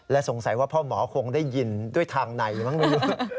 สงสัยว่าพ่อหมอคงได้ยินด้วยทางในมั้งไม่รู้